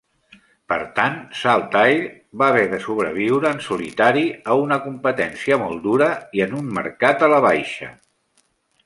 Per tant, Saltair va haver de sobreviure en solitari a una competència molt dura, i en un mercat a la baixa.